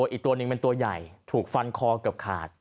อีกตัวหนึ่งเป็นตัวใหญ่ถูกฟันคอเกือบขาด